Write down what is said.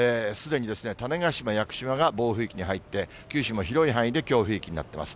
すでに種子島・屋久島が暴風域に入って、九州も広い範囲で強風域になってます。